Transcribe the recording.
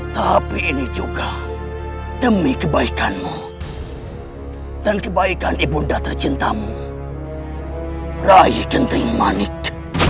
tapi ini juga demi kebaikanmu dan kebaikan ibunda tercintamu raih kentri manik